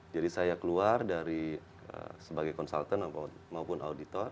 jadi saya keluar dari sebagai konsultan maupun auditor